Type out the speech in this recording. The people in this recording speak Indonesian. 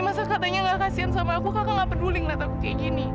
masa katanya gak kasian sama aku kakak gak peduli ngeliat aku kayak gini